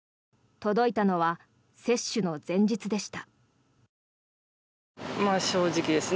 届いたのは接種の前日でした。